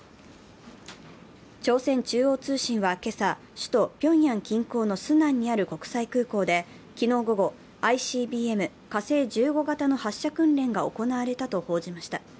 朝鮮中央通信は今朝、首都ピョンヤン近郊のスナンにある国際空港で、昨日午後、ＩＣＢＭ、火星１５型の発射訓練が行われたと報じました。